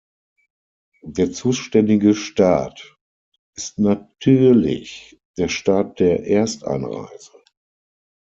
Der zuständige Staat ist natürlich der Staat der Ersteinreise.